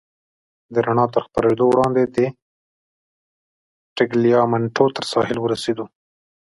د رڼا تر خپرېدو وړاندې د ټګلیامنټو تر ساحل ورسېدو.